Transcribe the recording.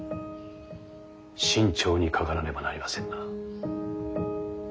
慎重にかからねばなりませんな。